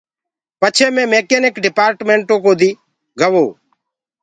پڇي مي ميڪينيڪل ڊپآرٽمنٽو ڪودي گو۔